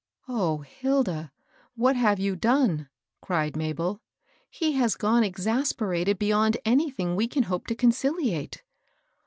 " O Hilda ! what have you done ?" cried Ma bel. " He has gone exasperated beyond anything we can hope to conciliate."